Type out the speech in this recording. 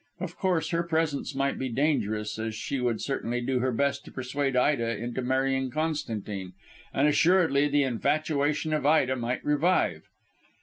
Of course, her presence might be dangerous, as she would certainly do her best to persuade Ida into marrying Constantine, and assuredly the infatuation of Ida might revive.